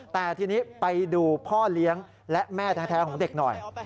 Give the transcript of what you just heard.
แต่ทีนี้ไปดูพ่อเลี้ยงและแม่แท้ของเด็กหน่อย